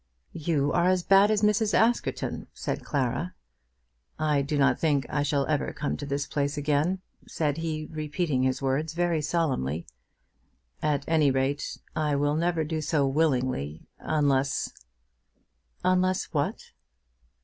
"You are as bad as Mrs. Askerton," said Clara. "I do not think I shall ever come to this place again," said he, repeating his words very solemnly. "At any rate, I will never do so willingly, unless " "Unless what?"